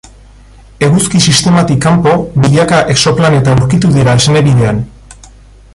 Eguzki-sistematik kanpo milaka exoplaneta aurkitu dira Esne Bidean.